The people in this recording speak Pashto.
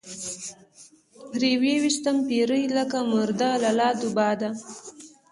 پرې ويستم پيرۍ لکه مرده لۀ لاد وباده